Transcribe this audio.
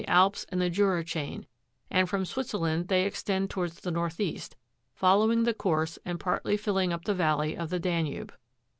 Alps and the Jura chain ; and from Switzerland they extend towards the north east, following the course and partly fill ing up the valley of the Danube.